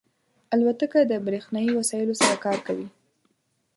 الوتکه د بریښنایی وسایلو سره کار کوي.